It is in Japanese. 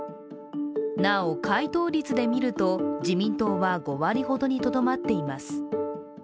なお回答率で見ると自民党は５割ほどにとどまっています。